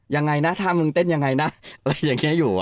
ยังไงน่ะภาพเต้นอย่างไงน่ะอยู่อยู่